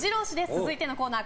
続いてのコーナー